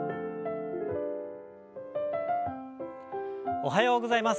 おはようございます。